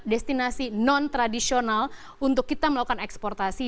destinasi non tradisional untuk kita melakukan eksportasi